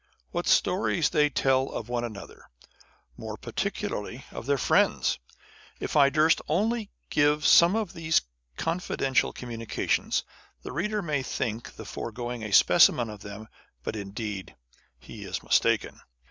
What stories they tell of one another, more particularly of their friends ! If I durst only give some of these confidential communications ! The reader may perhaps think the foregoing a specimen of them â€" but indeed he is mistaken.